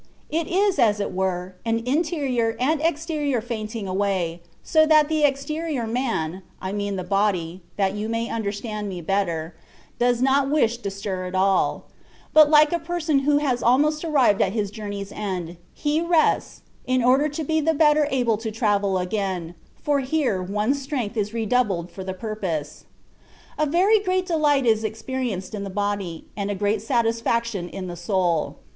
It is as it were an interior and exterior fainting away,* so that the exterior man (I mean the body, that you may understand me better) does not wish to stir at all ; but like a person who has almost arrived at his journey^s end, he rests, in order to be the better able to travel again, for here one^s strength is redoubled for the purpose. A very great delight is experienced in the body, and a great satisfaction in the soul.